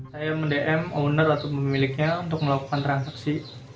saya mendm owner atau pemiliknya untuk melakukan transaksi